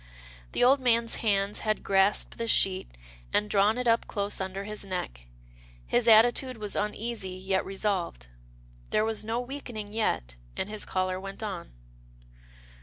The old man's hands had grasped the sheet, and drawn it up close under his neck — his attitude was uneasy yet resolved. There was no weakening yet, and his caller went on.